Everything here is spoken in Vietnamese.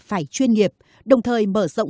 phải chuyên nghiệp đồng thời mở rộng